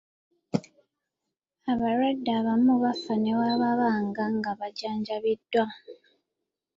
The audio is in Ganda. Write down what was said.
Abalwadde abamu bafa ne bwe baba nga bajjanjabiddwa.